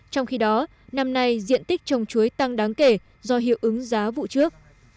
trong khi đó năm nay diện tích trồng chuối tăng đáng kể do hiệu ứng giá vụ trước